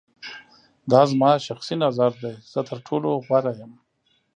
دا زما شخصی نظر دی. زه تر ټولو غوره یم.